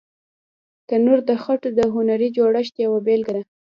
تنور د خټو د هنري جوړښت یوه بېلګه ده